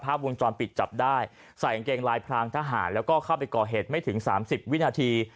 วงจรปิดจับได้ใส่กางเกงลายพรางทหารแล้วก็เข้าไปก่อเหตุไม่ถึงสามสิบวินาที